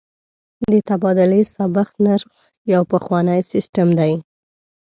د تبادلې ثابت نرخ یو پخوانی سیستم دی.